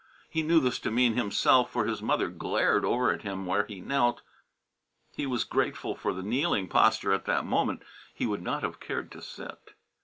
He knew this to mean himself, for his mother glared over at him where he knelt; he was grateful for the kneeling posture at that moment; he would not have cared to sit.